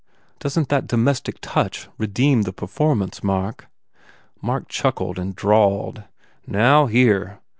"Doesn t that domestic touch redeem the per formance, Mark?" Mark chuckled and drawled, "Now, here